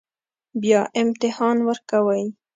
بیا امتحان ورکوئ